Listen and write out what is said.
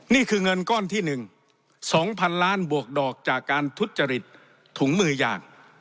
นี่คือเงินก้อนที่๑๒๐๐๐ล้านบวกดอกจากการทุจริตถุงมือยาง